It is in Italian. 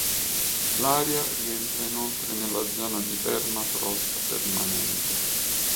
L'area rientra inoltre nella zona di permafrost permanente.